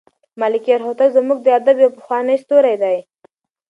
ملکیار هوتک زموږ د ادب یو پخوانی ستوری دی.